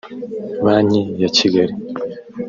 Banki ya Kigali